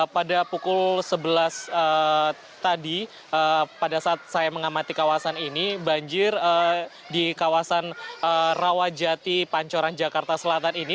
pada pukul sebelas tadi pada saat saya mengamati kawasan ini banjir di kawasan rawajati pancoran jakarta selatan ini